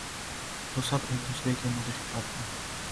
تو سب ایک دوسرے کے مددگار ہوں۔